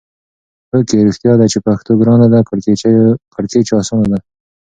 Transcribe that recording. هو کې! رښتیا ده چې پښتو ګرانه ده کیړکیچو اسانه ده.